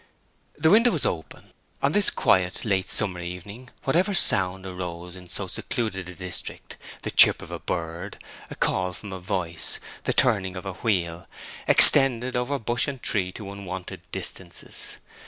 The window was open. On this quiet, late summer evening, whatever sound arose in so secluded a district—the chirp of a bird, a call from a voice, the turning of a wheel—extended over bush and tree to unwonted distances.